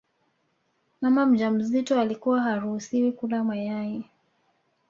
Mama mjamzito alikuwa haruhusiwi kula mayai